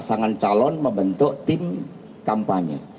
pasangan calon membentuk tim kampanye